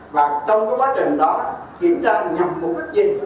và trong cái quá trình đó kiểm tra nhằm một cách gì